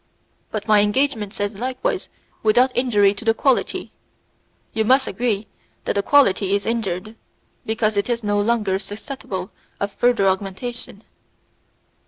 "But my engagement says likewise without injury to the quality. You must agree that the quality is injured, because it is no longer susceptible of further augmentation."